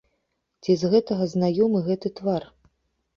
Ці з гэтага знаёмы гэты твар?